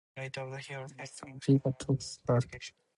In the song a beggar talks back to the system that stole his job.